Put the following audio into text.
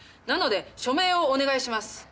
なので署名をお願いします。